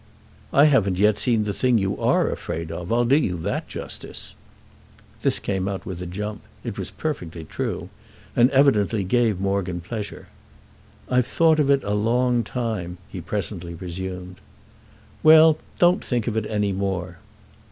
"I haven't yet seen the thing you are afraid of—I'll do you that justice!" This came out with a jump—it was perfectly true—and evidently gave Morgan pleasure. "I've thought of it a long time," he presently resumed. "Well, don't think of it any more."